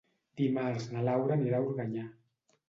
Dimarts na Laura anirà a Organyà.